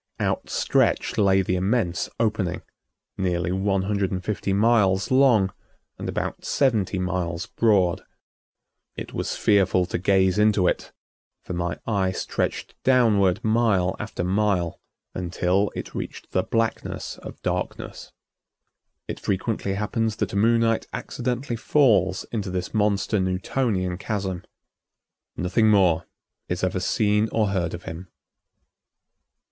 Outstretched lay the immense opening, nearly one hundred and fifty miles long and about seventy miles broad. It was fearful to gaze into it, for my eye stretched downward mile after mile until it reached the blackness of darkness. It frequently happens that a Moonite accidentally falls into this monster Newtonian chasm. Nothing more is ever seen or heard of him.